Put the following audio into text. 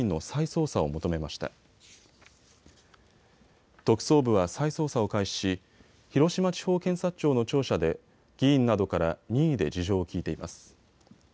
特捜部は再捜査を開始し広島地方検察庁の庁舎で議員などから任意で事情を聴いています。